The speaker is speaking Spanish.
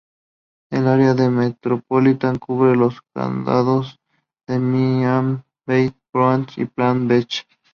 El área metropolitana cubre los condados de Miami-Dade, Broward y Palm Beach.